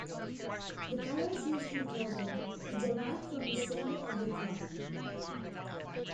The colors used in clothing, is derived from the symbol of the club.